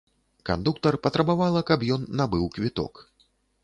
Кандуктар патрабавала, каб ён набыў квіток.